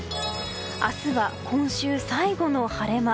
明日は今週最後の晴れ間。